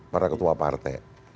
para ketua partai